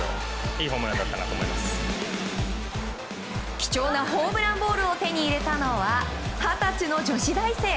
貴重なホームランボールを手に入れたのは二十歳の女子大生。